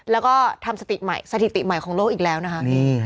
แล้วก็ทำสถิติใหม่ของโลกอีกแล้วนะคะ